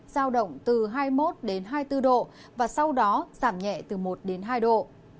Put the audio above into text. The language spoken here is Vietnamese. giao động từ hai mươi một hai mươi bốn độ và sau đó giảm nhẹ từ một hai độ